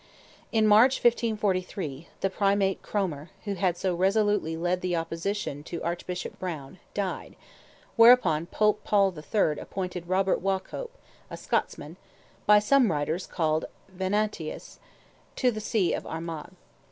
In March, 1543, Primate Cromer, who had so resolutely led the early opposition to Archbishop Browne, died, whereupon Pope Paul III. appointed Robert Waucop, a Scotsman (by some writers called Venantius), to the See of Armagh.